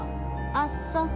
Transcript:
あっそう。